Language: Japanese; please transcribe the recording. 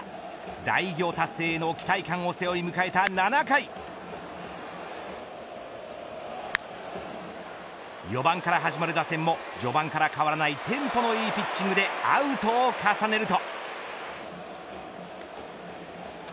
大偉業達成への期待感を背負い迎えた７回４番から始まる打線も、序盤から変わらないテンポのいいピッチングでアウトを重ねると。